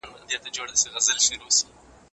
تاریخ د چا لخوا لیکل کیږي؟